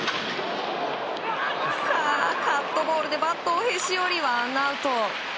カットボールでバットをへし折りワンアウト。